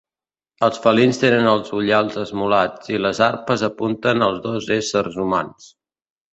Els felins tenen els ullals esmolats i les arpes apunten als dos éssers humans.